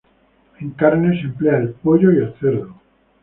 En carnes se emplean el pollo, y el cerdo.